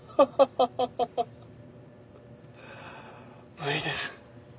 無理です。